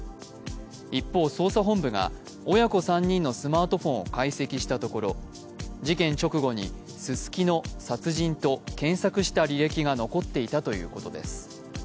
一方、捜査本部が親子３人のスマートフォンを解析したところ事件直後に「すすきの殺人」と検索した履歴が残っていたということです。